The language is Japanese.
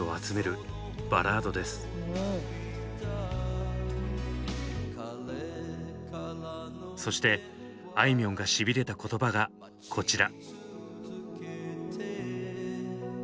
「彼からの電話」そしてあいみょんがシビれた言葉がこちら。